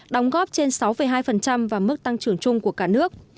đóng góp trên sáu hai vào mức tăng trưởng chung của cả nước